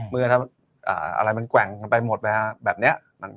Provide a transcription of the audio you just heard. เมื่อถ้าอะไรมันแกว่งไปหมดแบบนี้